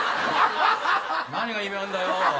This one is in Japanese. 何が意味あんだよ。